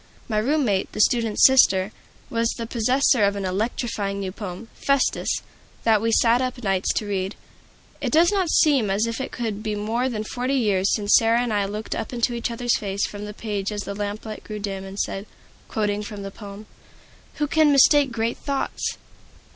My room mate, the student's sister, was the possessor of an electrifying new poem, "Festus," that we sat up nights to read. It does not seem as if it could be more than forty years since Sarah and I looked up into each other's face from the page as the lamplight grew dim, and said, quoting from the poem, "Who can mistake great thoughts?"